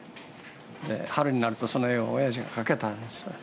春になるとその絵をおやじが掛けたんです。